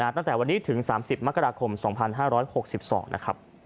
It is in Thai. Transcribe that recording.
ตั้งแต่วันนี้ถึง๓๐มกราคม๒๕๖๒นะครับ